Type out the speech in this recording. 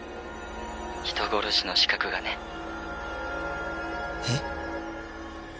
「人殺しの資格がね」え？